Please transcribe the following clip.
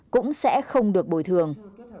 cũng sẽ không được bồi thường